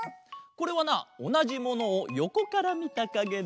これはなおなじものをよこからみたかげだ。